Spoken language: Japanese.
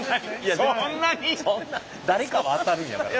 そんな誰かは当たるんやから。